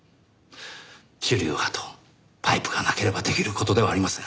主流派とパイプがなければできることではありません。